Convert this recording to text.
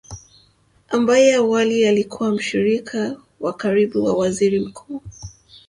ambaye awali alikuwa mshirika wa karibu wa waziri mkuu